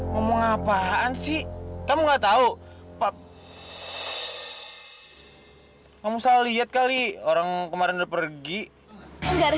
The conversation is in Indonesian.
ngomong apaan sih kamu nggak tahu pak kamu salah lihat kali orang kemarin pergi enggak